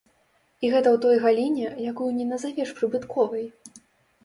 І гэта ў той галіне, якую не назавеш прыбытковай.